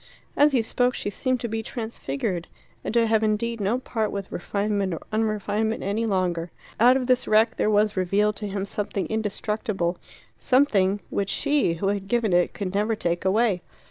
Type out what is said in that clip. As he spoke she seemed to be transfigured, and to have indeed no part with refinement or unrefinement any longer. Out of this wreck there was revealed to him something indestructible something which she, who had given it, could never take away.